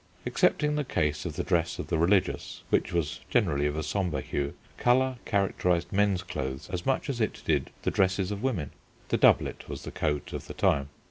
Excepting the case of the dress of the religious, which was generally of a sombre hue, colour characterised men's clothes as much as it did the dresses of women. The doublet was the coat of the time.